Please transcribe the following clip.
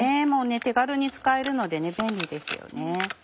手軽に使えるのでね便利ですよね。